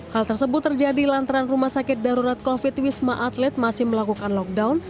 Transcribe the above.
hal tersebut terjadi lantaran rumah sakit darurat covid wisma atlet masih melakukan lockdown